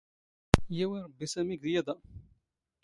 ⵢⵓⵡⵉ ⵕⴱⴱⵉ ⵙⴰⵎⵉ ⴳ ⵢⵉⴹ ⴰ.